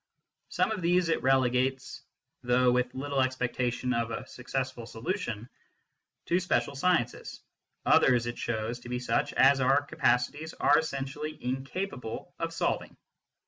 Some of these it relegates, though with little expectation of a successful solution, to special sciences, others it shows to be such as our capacities are essentially incapable of solving.